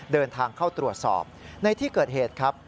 เดินทางเข้าตรวจสอบในที่เกิดเหตุครับ